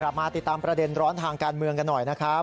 กลับมาติดตามประเด็นร้อนทางการเมืองกันหน่อยนะครับ